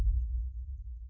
padahal dah janji sama aku